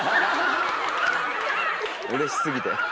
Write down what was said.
うれし過ぎて。